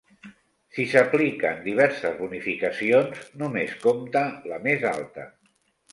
Si s'apliquen diverses bonificacions, només compta la més alta.